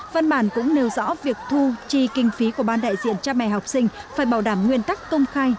văn bản cũng nêu rõ việc thu chi kinh phí của ban đại diện cha mẹ học sinh phải bảo đảm nguyên tắc công khai